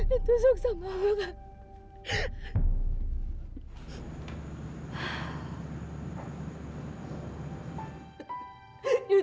itu susah mama